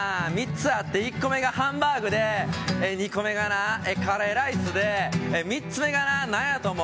「３つあって１個目がハンバーグで２個目がなカレーライスで３つ目がな何やと思う？」